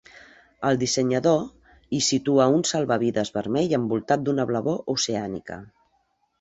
El dissenyador hi situa un salvavides vermell envoltat d'una blavor oceànica.